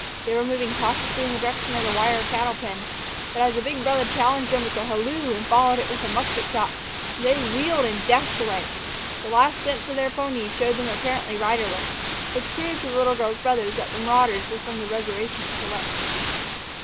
They were moving cautiously in the direction of the wire cattle pen; but as a big brother challenged them with a halloo and followed it with a musket shot, they wheeled and dashed away. The last glimpse of their ponies showed them apparently riderless; which proved to the little girl's big brothers that the marauders were from the reservation to the west.